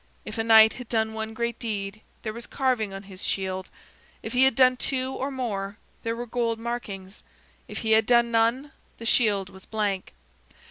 If a knight had done one great deed, there was carving on his shield; if he had done two or more, there were gold markings. If he had done none, the shield was blank.